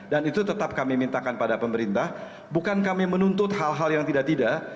dan itu tetap kami mintakan pada pemerintah bukan kami menuntut hal hal yang tidak tidak